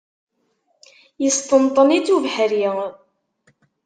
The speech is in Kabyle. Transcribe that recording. Yesṭenṭen-itt ubeḥri.